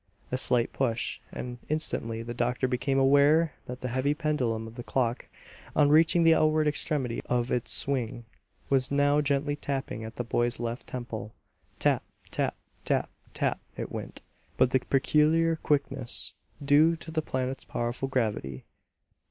A slight push, and instantly the doctor became aware that the heavy pendulum of the clock, on reaching the outward extremity of its swing, was now gently tapping at the boy's left temple. TAP TAP TAP TAP it went, with the peculiar quickness due to the planet's powerful gravity.